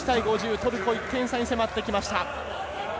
トルコが１点差に迫ってきました。